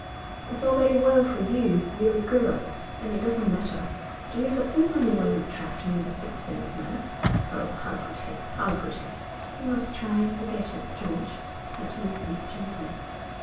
'It's all very well for you. You're a girl, and it doesn't matter. Do you suppose anyone would trust me with sixpence now? Oh, how could he? How could he?' 'You must try and forget it, George,' said Lucy, gently.